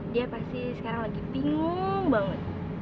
dia pasti sekarang lagi bingung banget